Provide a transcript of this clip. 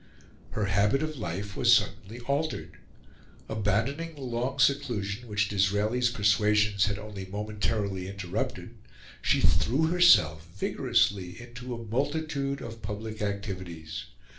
Her habit of life was suddenly altered; abandoning the long seclusion which Disraeli's persuasions had only momentarily interrupted, she threw herself vigorously into a multitude of public activities.